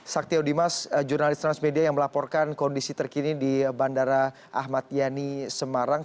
saktio dimas jurnalis transmedia yang melaporkan kondisi terkini di bandara ahmad yani semarang